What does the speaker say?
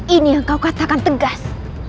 ini yang kau katakan tegas